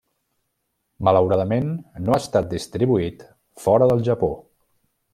Malauradament no ha estat distribuït fora del Japó.